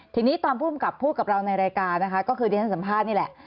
ทีนี้ตอนผู้กำกับพูดกับเราในรายการนะคะก็คือที่ฉันสัมภาษณ์นี่แหละ